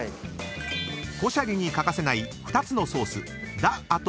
［コシャリに欠かせない２つのソース］